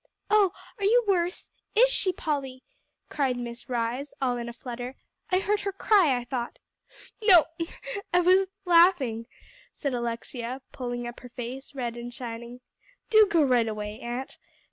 "Oh, are you worse? is she, Polly?" cried Miss Rhys all in a flutter. "I heard her cry, I thought." "No, I was laughing," said Alexia, pulling up her face red and shining. "Do go right away, aunt. Dr.